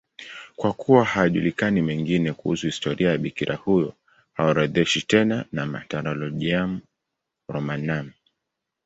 Kwa kuwa hayajulikani mengine kuhusu historia ya bikira huyo, haorodheshwi tena na Martyrologium Romanum.